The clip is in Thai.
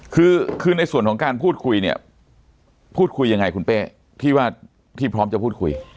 คือคือในส่วนของการพูดคุยเนี่ยพูดคุยยังไงคุณเป้ที่ว่าที่พร้อมจะพูดคุย